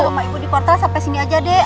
rumah ibu di portal sampai sini aja deh